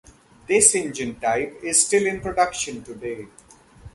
This engine type is still in production today.